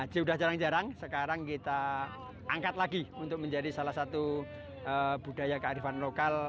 sudah jarang jarang sekarang kita angkat lagi untuk menjadi salah satu budaya kearifan lokal